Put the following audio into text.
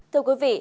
thưa quý vị